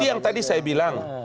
yang tadi saya bilang